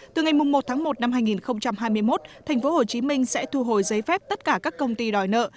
từ ngày một tháng một năm hai nghìn hai mươi một tp hcm sẽ thu hồi giấy phép tất cả các công ty đòi nợ